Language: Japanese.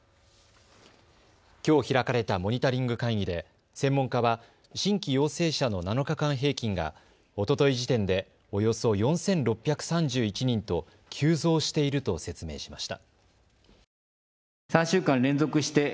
きょう開かれたモニタリング会議で専門家は新規陽性者の７日間平均がおととい時点でおよそ４６３１人と急増していると説明しました。